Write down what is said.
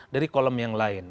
dari kolam yang lain